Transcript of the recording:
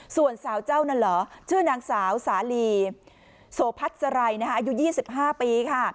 ส่วนสาวเจ้านั้นเหรอชื่อนางสาวสาลีโสพัฒน์สไรอายุ๒๕ปีค่ะ